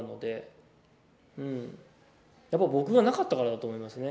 やっぱ僕がなかったからだと思いますね。